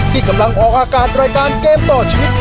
ที่กำลังออกอากาศรายการเกมต่อชีวิต